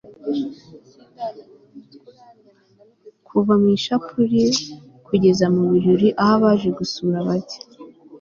Kuva mu ishapule kugeza mu birori aho abaje gusura bajya